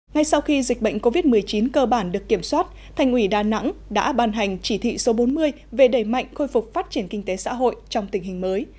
ngay sau khi dịch bệnh covid một mươi chín cơ bản được kiểm soát thành ủy đà nẵng đã ban hành chỉ thị số bốn mươi về đẩy mạnh khôi phục phát triển kinh tế xã hội trong tình hình mới